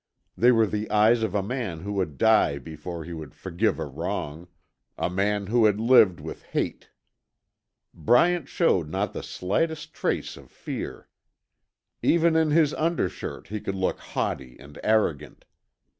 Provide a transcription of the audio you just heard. They were the eyes of a man who would die before he would forgive a wrong; a man who had lived with hate. Bryant showed not the slightest trace of fear. Even in his undershirt he could look haughty and arrogant.